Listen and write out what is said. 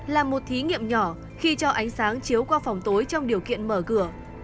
là một thí nghiệm nhỏ khi cho ánh sáng chiếu qua phòng tối trong điều kiện mở cửa